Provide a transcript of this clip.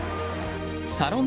サロン